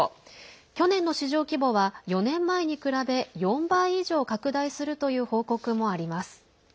去年の市場規模は、４年前に比べ４倍以上、拡大するという報告もあります。